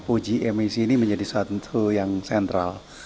uji emisi ini menjadi satu yang sentral